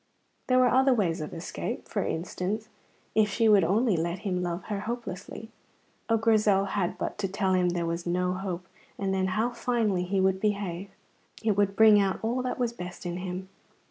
There were other ways of escape. For instance, if she would only let him love her hopelessly. Oh, Grizel had but to tell him there was no hope, and then how finely he would behave! It would bring out all that was best in him.